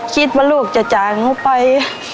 คิดว่าลูกจะจ่างไป